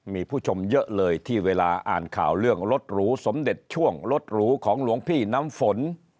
มีผู้ชมเยอะเลยที่เวลาอ่านข่าวเรื่องรถหรูสมเด็จช่วงรถหรูของหลวงพี่น้ำฝน